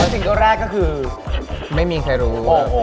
ว่าสิ่งแรกเวลาก็คือก็คือไม่มีใครรู้